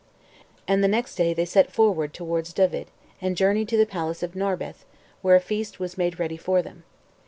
And the next, day they set forward towards Dyved, and journeyed to the palace of Narberth, where a feast was made ready for them.